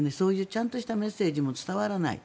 ちゃんとしたメッセージも伝わらない。